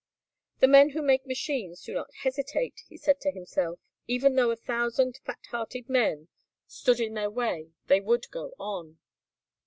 "The men who make machines do not hesitate," he said to himself; "even though a thousand fat hearted men stood in their way they would go on."